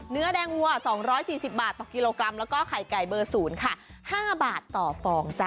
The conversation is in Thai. เนื้อแดงหัว๒๔๐บาทต่อกิโลกรัม